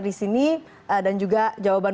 di sini dan juga jawaban